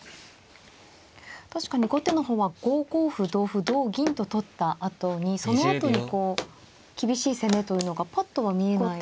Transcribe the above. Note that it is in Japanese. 確かに後手の方は５五歩同歩同銀と取ったあとにそのあとに厳しい攻めというのがパッとは見えないですね。